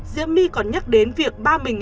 diệm my còn nhắc đến việc ba mình